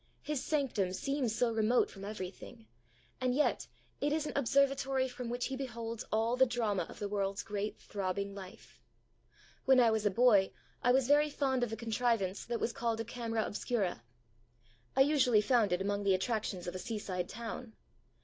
His sanctum seems so remote from everything, and yet it is an observatory from which He beholds all the drama of the world's great throbbing life. When I was a boy I was very fond of a contrivance that was called a camera obscura. I usually found it among the attractions of a seaside town.